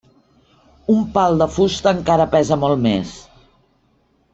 Un pal de fusta encara pesa molt més.